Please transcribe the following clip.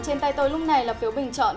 trên tay tôi lúc này là phiếu bình chọn